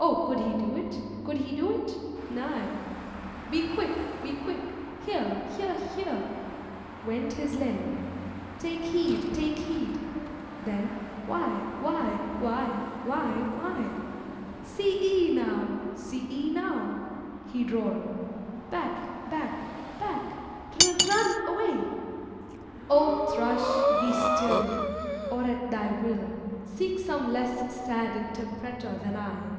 Oh, could he do it? could he do it? Nay! Be quick! be quick! Here, here, here!' (went his lay.) 'Take heed! take heed!' then 'Why? why? why? why? why? See ee now! see ee now!' (he drawl'd) 'Back! back! back! R r r run away!' O Thrush, be still! Or at thy will, Seek some less sad interpreter than I.